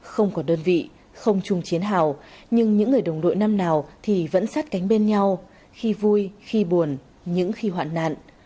không còn đơn vị không chung chiến hào nhưng những người đồng đội năm nào thì vẫn sát cánh bên nhau khi vui khi buồn những khi hoạn nạn